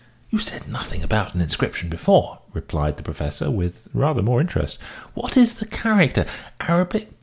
"You said nothing about an inscription before," replied the Professor, with rather more interest. "What is the character Arabic?